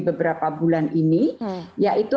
beberapa bulan ini yaitu